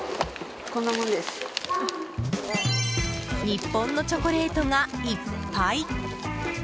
日本のチョコレートがいっぱい。